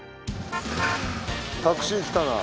タクシー来たな。